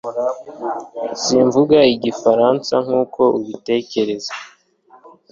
Simvuga Igifaransa nkuko ubitekereza